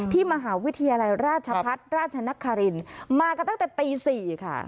ที่มหาวิทยาลัยราชพัฒน์ราชนครินมากันตั้งแต่ตี๔ค่ะ